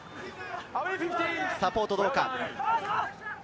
サポートはどうか？